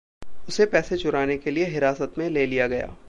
उसे पैसे चुराने के लिए हिरासत में ले लिया गया।